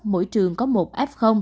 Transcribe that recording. mỗi trường có một f